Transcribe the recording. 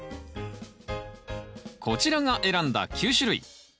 こちらが選んだ９種類。